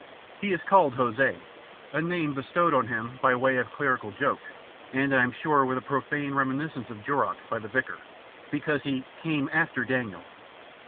He is called Hosea, a name bestowed on him, by way of clerical joke, and I am sure with a profane reminiscence of Jorrocks, by the Vicar, because he "came after Daniel."